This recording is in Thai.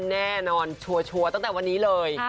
แน่นอนชัวร์ตั้งแต่วันนี้เลย